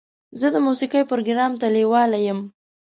زه د موسیقۍ پروګرام ته لیواله یم.